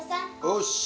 よし。